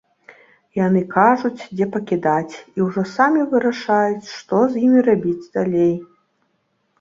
Яны кажуць, дзе пакідаць, і ўжо самі вырашаюць, што з імі рабіць далей.